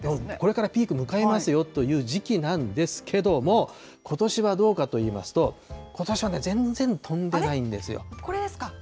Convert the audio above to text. そうそう、これからピーク迎えますよという時期なんですけども、ことしはどうかといいますと、ことしは全然飛んでないんですよ。